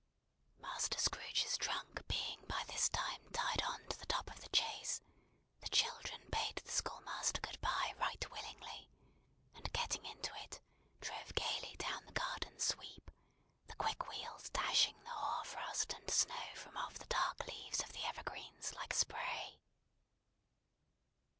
Master Scrooge's trunk being by this time tied on to the top of the chaise, the children bade the schoolmaster good bye right willingly; and getting into it, drove gaily down the garden sweep: the quick wheels dashing the hoar frost and snow from off the dark leaves of the evergreens like spray.